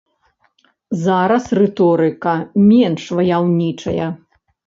Зараз рыторыка менш ваяўнічая.